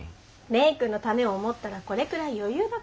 蓮くんのためを思ったらこれくらい余裕だから。